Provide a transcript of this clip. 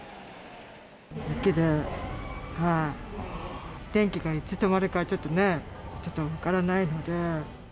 雪で、電気がいつ止まるか、ちょっとね、分からないので。